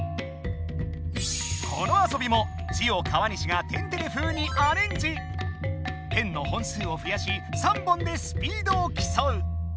この遊びもペンの本数をふやし３本でスピードをきそう。